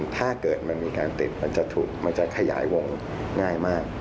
ถ้าเกิดมันมีการติดมันจะถูกมันจะขยายวงง่ายมาก